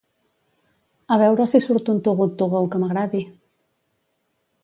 A veure si surt un Too Good To Go que m'agradi.